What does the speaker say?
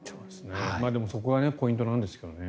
でもそこがポイントなんですけどね。